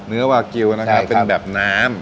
เนื้อวากิวนะครับเป็นแบบน้ำ